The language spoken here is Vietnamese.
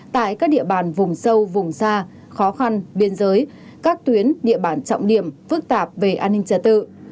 tại các địa bàn vùng sâu vùng xa khó khăn biên giới các tuyến địa bàn trọng điểm phức tạp về an ninh trả tự